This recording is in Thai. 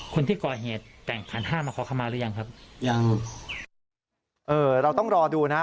คนที่ก่อเหตุแต่งขันห้ามาขอคำมาหรือยังครับยังเอ่อเราต้องรอดูนะ